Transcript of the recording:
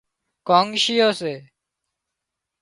ڪانڳشيئو سي